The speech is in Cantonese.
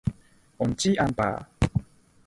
聽唔到呀，可唔可以大聲啲